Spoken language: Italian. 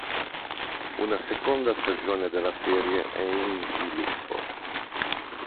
Una seconda stagione della serie è in sviluppo.